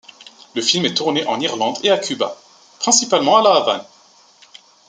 Le film est tourné en Irlande et à Cuba, principalement à La Havane.